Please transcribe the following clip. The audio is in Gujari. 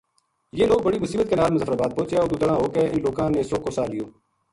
یہ لوک بڑی مصیبت کے نال مظفر آباد پوہچیا اُتو تنہاں ہو کے اِنھ لوکاں نے سُکھ کو ساہ لیو